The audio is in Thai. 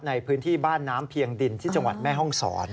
ในพื้นที่บ้านน้ำเพียงดินที่จังหวัดแม่ห้องศร